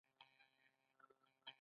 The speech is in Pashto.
کوچۍ ليلا مې راغله.